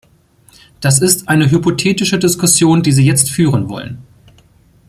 Das ist eine hypothetische Diskussion, die Sie jetzt führen wollen.